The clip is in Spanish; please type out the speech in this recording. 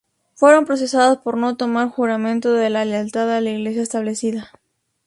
Fueron procesados por no tomar juramento de la lealtad a la Iglesia establecida.